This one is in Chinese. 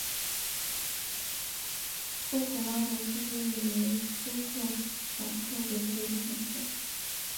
波普拉德是位于斯洛伐克北部的一个城市。